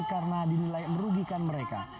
karena dinilai merugikan mereka